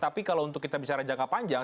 tapi kalau untuk kita bicara jangka panjang